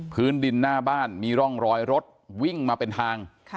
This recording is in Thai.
พื้นดินหน้าบ้านมีร่องรอยรถวิ่งมาเป็นทาง